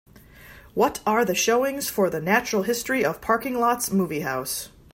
What Are the showings for The Natural History of Parking Lots movie house